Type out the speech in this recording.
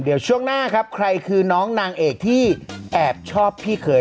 เดี๋ยวช่วงหน้าครับใครคือน้องนางเอกที่แอบชอบพี่เคย